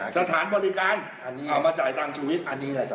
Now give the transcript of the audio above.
สถานบริการมาจ่ายชีวิต